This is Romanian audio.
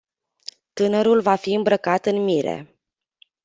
Tânărul va fi îmbrăcat în mire.